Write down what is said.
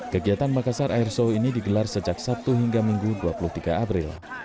kegiatan makassar airshow ini digelar sejak sabtu hingga minggu dua puluh tiga april